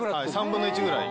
３分の１ぐらい。